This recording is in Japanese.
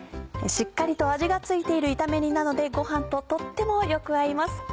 しっかりと味が付いている炒め煮なのでごはんととってもよく合います。